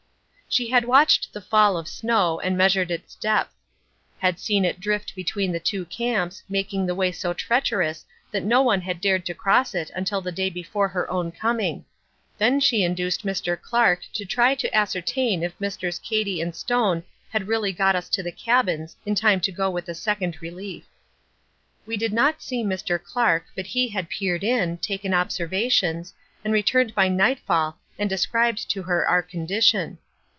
She had watched the fall of snow, and measured its depth; had seen it drift between the two camps making the way so treacherous that no one had dared to cross it until the day before her own coming; then she induced Mr. Clark to try to ascertain if Messrs. Cady and Stone had really got us to the cabins in time to go with the Second Relief. We did not see Mr. Clark, but he had peered in, taken observations, and returned by nightfall and described to her our condition.